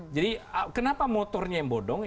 jadi kenapa motornya yang bodong